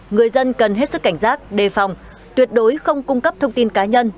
người dân cần hết sức cảnh giác đề phòng tuyệt đối không cung cấp thông tin cá nhân